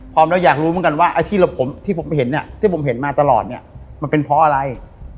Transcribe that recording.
พร้อมแล้วอยากรู้เหมือนกันว่าที่ผมเห็นมาตลอดเนี่ยมันเป็นเพราะอะไร